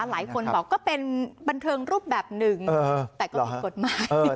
หลายคนบอกก็เป็นบันเทิงรูปแบบหนึ่งแต่ก็ผิดกฎหมาย